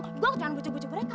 gue jangan buceg buceg mereka